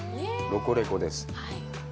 「ロコレコ！」です。